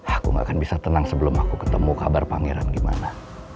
aku gak akan bisa tenang sebelum aku ketemu kabar pangeran gimana